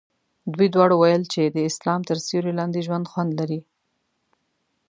دوی دواړو ویل چې د اسلام تر سیوري لاندې ژوند خوند لري.